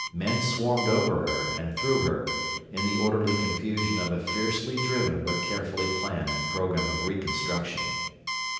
Men swarmed over her and through her, in the orderly confusion of a fiercely driven but carefully planned program of reconstruction.